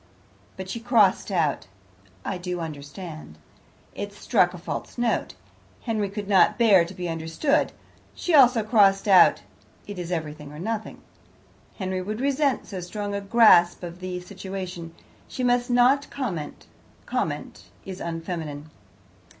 But she crossed out "I do understand"; it struck a false note. Henry could not bear to be understood. She also crossed out, "It is everything or nothing. "Henry would resent so strong a grasp of the situation. She must not comment; comment is unfeminine.